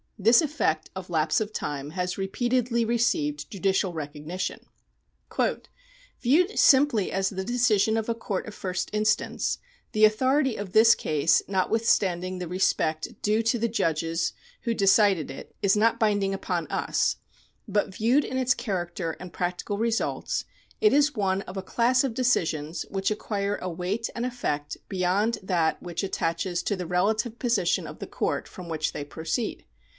This effect of lapse of time has repeatedly received judicial recognition. " Viewed simply as the decision of a court of first instance, the autho rity of this case, notwithstanding the respect due to the judges who decided it, is not binding upon us ; but viewed in its character and practical results, it is one of a class of decisions which acquire a weight and effect beyond that which attaches to the relative position of the court from which they proceed.